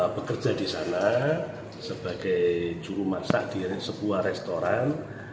bekerja di sana sebagai juru masak di sebuah restoran